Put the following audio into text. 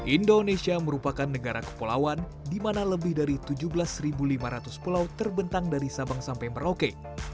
indonesia merupakan negara kepulauan di mana lebih dari tujuh belas lima ratus pulau terbentang dari sabang sampai merauke